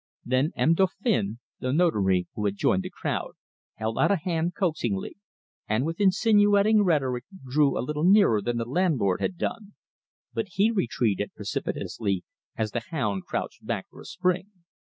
Then M. Dauphin, the Notary, who had joined the crowd, held out a hand coaxingly, and with insinuating rhetoric drew a little nearer than the landlord had done; but he retreated precipitously as the hound crouched back for a spring.